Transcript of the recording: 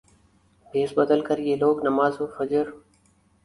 بھیس بدل کریہ لوگ نماز فجر